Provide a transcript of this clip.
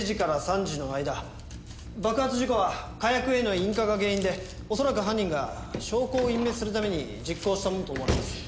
爆発事故は火薬への引火が原因で恐らく犯人が証拠を隠滅するために実行したものと思われます。